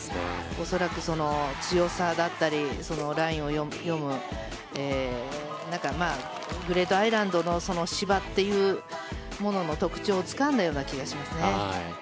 恐らく、強さだったりラインを読むグレートアイランドの芝というものの特徴をつかんだような気がしますね。